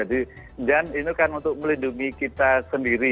dan ini kan untuk melindungi kita sendiri